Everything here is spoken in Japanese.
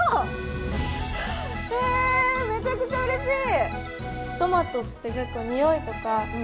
めちゃくちゃうれしい！